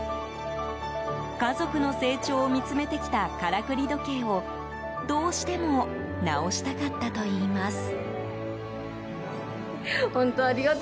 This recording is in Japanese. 家族の成長を見つめてきたからくり時計をどうしても直したかったといいます。